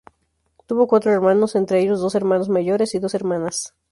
Tuvo cuatro hermanos, entre ellos dos hermanos mayores y dos hermanas.